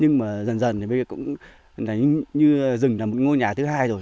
nhưng mà dần dần thì cũng như rừng là một ngôi nhà thứ hai rồi